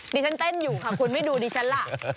ฉันเต้นอยู่ค่ะคุณไม่ดูดิฉันล่ะ